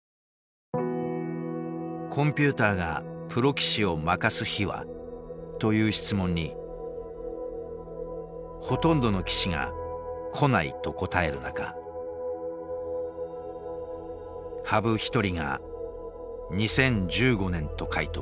「コンピューターがプロ棋士を負かす日は？」という質問にほとんどの棋士が「来ない」と答える中羽生一人が「２０１５年」と回答した。